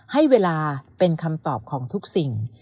ให้เวลาเป็นคำตอบของทุกสิ่ง